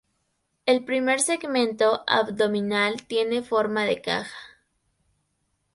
El primer segmento abdominal tiene forma de caja.